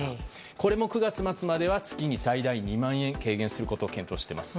これも９月末までは月に最大２万円を軽減することを検討しています。